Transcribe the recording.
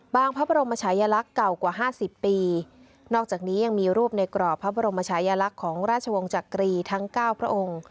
พระบรมชายลักษณ์เก่ากว่าห้าสิบปีนอกจากนี้ยังมีรูปในกรอบพระบรมชายลักษณ์ของราชวงศ์จักรีทั้งเก้าพระองค์